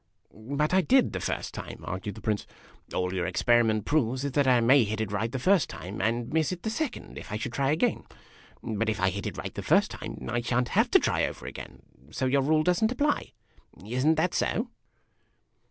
" But I did the first time," argued the Prince. " All your ex periment proves is that I may hit it right the first time, and miss it the second, if I should try again. But if I hit it right the first time, I sha'n't have to try over again ; so your rule does n't apply. Is n't that so